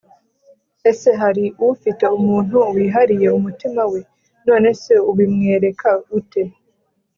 ese hari ufite umuntu wahariye umutima wawe? nonese ubimwereka ute?